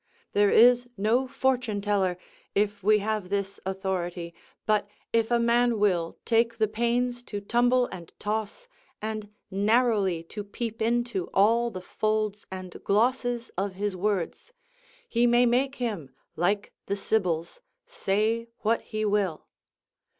There is no fortune teller, if we have this authority, but, if a man will take the pains to tumble and toss, and narrowly to peep into all the folds and glosses of his words, he may make him, like the Sibyls, say what he will.